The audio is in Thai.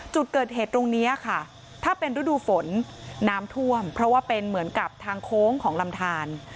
จุดเกิดเหตุตรงนี้ค่ะถ้าเป็นฤดูฝนน้ำท่วมเพราะว่าเป็นเหมือนกับทางโค้งของลำทาน